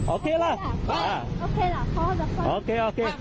โอเคโอเค